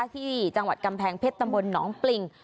ที่จังหวัดกำแพงเพชรตำบลหนองปริง